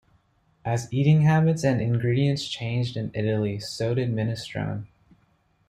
As eating habits and ingredients changed in Italy, so did minestrone.